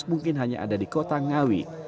mungkin hanya ada di kota ngawi